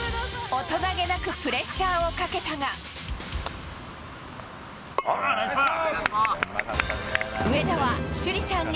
大人げなくプレッシャーをかナイスパー。